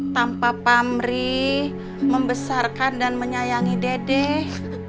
tanpa pamrih membesarkan dan menyayangi dedeh